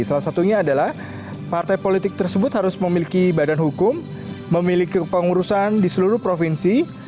salah satunya adalah partai politik tersebut harus memiliki badan hukum memiliki kepengurusan di seluruh provinsi